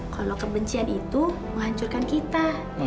kalau kebencian itu menghancurkan kita